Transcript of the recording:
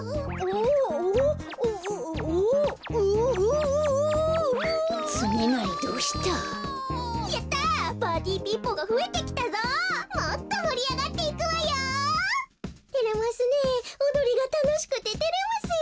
おどりがたのしくててれますよ。